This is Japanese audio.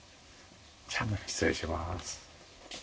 じゃあ失礼します。